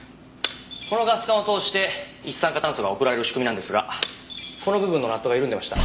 このガス管を通して一酸化炭素が送られる仕組みなんですがこの部分のナットが緩んでました。